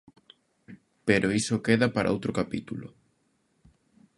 Pero iso queda para outro capítulo.